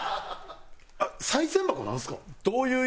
賽銭箱なんすか？